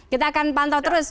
kita akan pantau terus